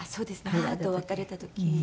母と別れた時はい。